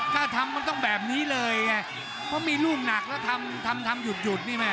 ถ้าทำมันต้องแบบนี้เลยไงเพราะมีลูกหนักแล้วทำทำหยุดนี่แม่